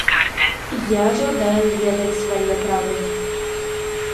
Я жадаю ведаць свае правы!